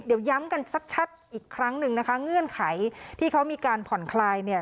เดี๋ยวย้ำกันชัดอีกครั้งหนึ่งนะคะเงื่อนไขที่เขามีการผ่อนคลายเนี่ย